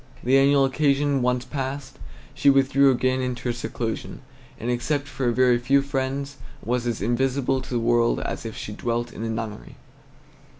The annual occasion once past, she withdrew again into her seclusion, and except for a very few friends was as invisible to the world as if she had dwelt in a nunnery.